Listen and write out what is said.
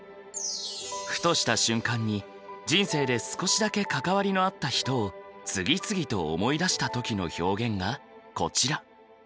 ふとした瞬間に人生で少しだけ関わりのあった人を次々と思い出したときの表現がこちら。